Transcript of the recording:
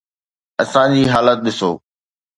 اسان جي حالت ڏسو.